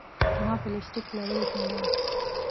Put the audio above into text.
زما په لپ سټک لړلي شونډان